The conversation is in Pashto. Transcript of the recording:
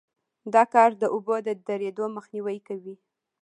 دا کار د اوبو د درېدو مخنیوی کوي